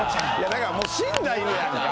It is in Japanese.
だから、もう死んだ犬やから。